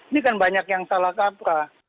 ini kan banyak yang salah kaprah